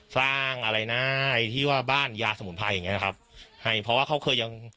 สร้างอะไรได้ที่ว่าบ้านยาสมุนไพรอย่างเงี้ยครับให้เพราะว่าเขาเคยยัง